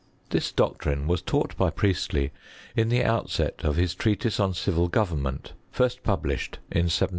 This doctrine was taught by Priestley in the outset of bis Treatise on Civil Government, first published in 176S.